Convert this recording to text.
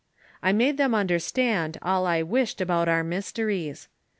I made them understand all I wished about our mysteries.